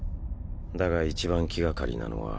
だがいちばん気がかりなのは。